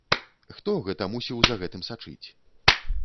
Хто гэта мусіў за гэтым сачыць?